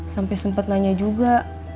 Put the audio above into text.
sampai sempat nanya juga